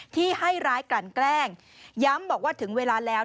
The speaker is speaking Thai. ที่ให้ร้ายกลั่นแกล้งย้ำบอกว่าถึงเวลาแล้ว